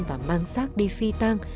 và mang xác đi phi tang